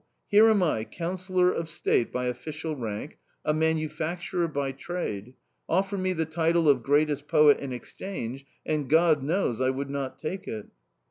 Here am I, councillor of state by official rank, a manufacturer by trade ; offer me the title of greatest poet in exchange, and, God knows, I would not take it